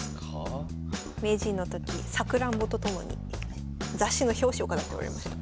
名人の時さくらんぼと共に雑誌の表紙を飾っておりました。